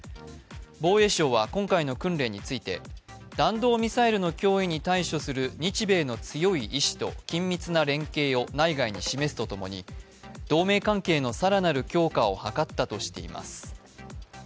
防衛省は今回の訓練について弾道ミサイルの脅威に対処する日米の強い意思と緊密な連携を内外に示すとともに同盟関係の更なる強化を図ったとしています。